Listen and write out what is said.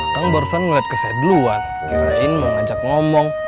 hai tersenyum ke sedeluan kirain mengajak ngomong